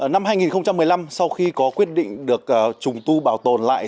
năm hai nghìn một mươi năm sau khi có quyết định được trùng tu bảo tồn lại